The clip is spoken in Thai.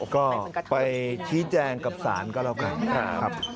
ก็ไปชี้แจงกับศาลก็แล้วกันครับ